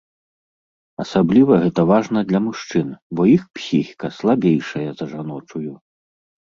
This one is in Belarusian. Асабліва гэта важна для мужчын, бо іх псіхіка слабейшая за жаночую.